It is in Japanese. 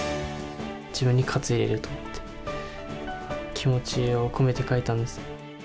自分に活入れようと思って、気持ちを込めて書いたんです。